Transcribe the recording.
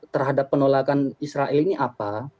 terhadap penolakan israel ini apa